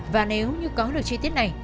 và nếu như có được chi tiết này